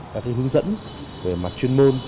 các hướng dẫn về mặt chuyên môn